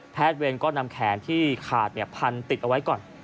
เวรก็นำแขนที่ขาดพันติดเอาไว้ก่อน